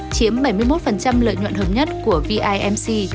chiếm bảy mươi một lợi nhuận hợp nhất của vimc